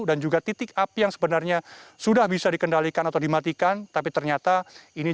dan juga titik api yang sebenarnya sudah bisa dikendalikan atau dimatikan tapi ternyata ini